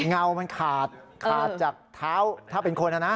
เงามันขาดขาดจากเท้าถ้าเป็นคนนะนะ